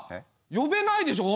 呼べないでしょ